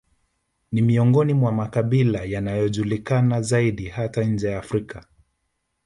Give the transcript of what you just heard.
Ni miongoni mwa makabila yanayojulikana zaidi hata nje ya Afrika